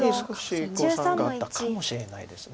少し誤算があったかもしれないです。